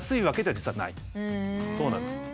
そうなんです。